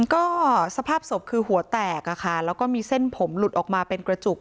ก็สภาพศพคือหัวแตกอะค่ะแล้วก็มีเส้นผมหลุดออกมาเป็นกระจุก